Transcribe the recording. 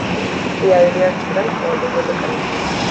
The idea spread all over the country.